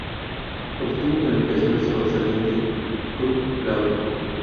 Obtuvo calificación Sobresaliente Cum Laude.